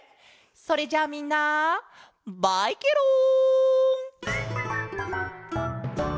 それじゃみんなバイケロン！